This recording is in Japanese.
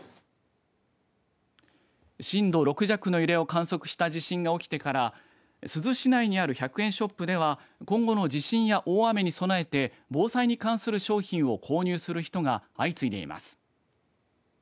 震度６弱の揺れを観測した地震が起きてから珠洲市内にある１００円ショップでは今後の地震や大雨に備えて防災に関する商品を購入する人が相次いでいます。